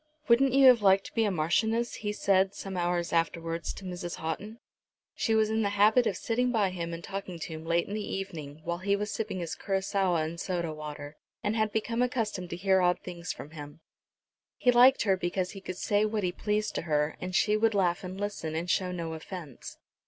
"Wouldn't you have liked to be a marchioness," he said, some hours afterwards, to Mrs. Houghton. She was in the habit of sitting by him and talking to him late in the evening, while he was sipping his curaçoa and soda water, and had become accustomed to hear odd things from him. He liked her because he could say what he pleased to her, and she would laugh and listen, and show no offence.